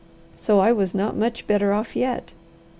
So I was not much better off yet.